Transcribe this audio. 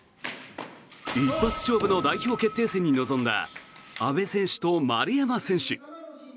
一発勝負の代表決定戦に臨んだ阿部選手と丸山選手。